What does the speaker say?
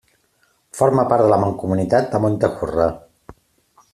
Forma part de la mancomunitat de Montejurra.